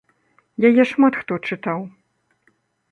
Яе шмат хто чытаў.